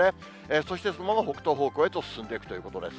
そしてその後、北東方向へ進んでいくということです。